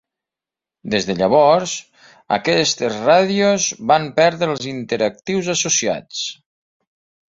Des de llavors, aquestes ràdios van perdre els interactius associats.